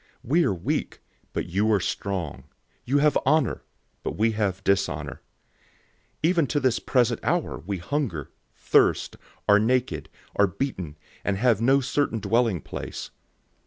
We are weak, but you are strong. You have honor, but we have dishonor. 004:011 Even to this present hour we hunger, thirst, are naked, are beaten, and have no certain dwelling place.